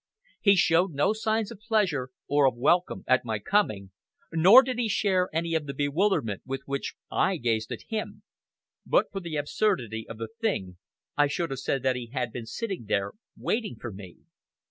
He showed no signs of pleasure or of welcome at my coming, nor did he share any of the bewilderment with which I gazed at him. But for the absurdity of the thing, I should have said that he had been sitting there waiting for me.